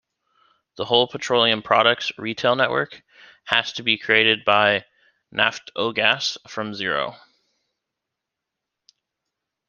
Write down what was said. The whole petroleum products retail network had to be created by Naftogas from zero.